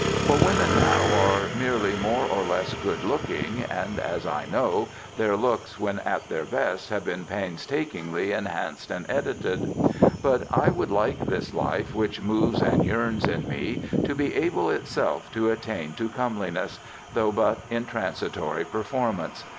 For women now are merely more or less good looking, and as I know, their looks when at their best have been painstakingly enhanced and edited.... But I would like this life which moves and yearns in me, to be able itself to attain to comeliness, though but in transitory performance.